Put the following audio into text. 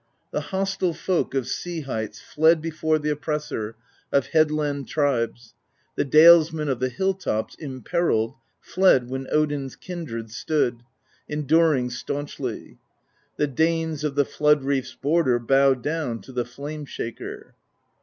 The hostile folk of sea heights Fled before the Oppressor Of headland tribes; the dalesmen Of the hill tops, imperilled, Fled, when Odin's kindred Stood, enduring staunchly; The Danes of the flood reef's border Bowed down to the Flame Shaker.